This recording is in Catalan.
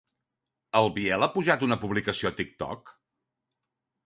El Biel ha pujat una publicació a TikTok?